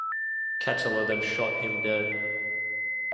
Ketteler then shot him dead.